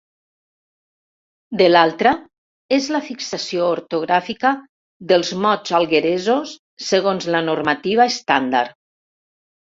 De l'altra, és la fixació ortogràfica dels mots algueresos segons la normativa estàndard.